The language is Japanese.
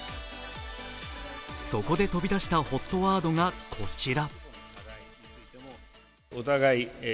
そこで飛び出したＨＯＴワードがこちら。